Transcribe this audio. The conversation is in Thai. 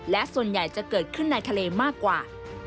และส่วนใหญ่จะเกิดขึ้นในทะเลมากกว่า